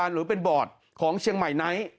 หรือเป็นบอร์ดของเชียงใหม่ไนท์